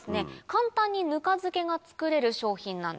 簡単にぬか漬けが作れる商品なんです。